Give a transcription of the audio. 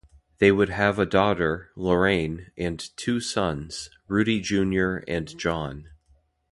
They would have a daughter, Lorraine and two sons, Rudy Junior and John.